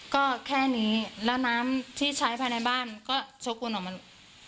ก็แค่นี้แล้วน้ำที่ใช้ภายในบ้านก็ชกวนออกมา